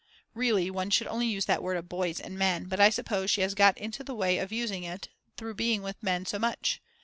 Really one should only use that word of boys and men, but I suppose she has got into the way of using it through being with men so much.